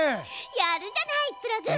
やるじゃないプログ！